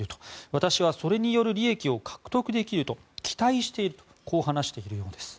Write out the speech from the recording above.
私はそれによる利益を獲得できると期待しているとこう話しているようです。